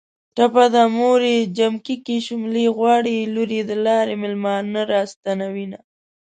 ټپه ده.: موریې جمکی کې شوملې غواړي ــــ لوریې د لارې مېلمانه را ستنوینه